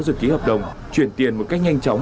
rồi ký hợp đồng chuyển tiền một cách nhanh chóng